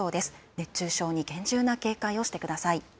熱中症に厳重な警戒をしてください。